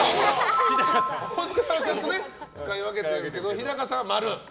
大塚さんは使い分けてるけど日高さんは○。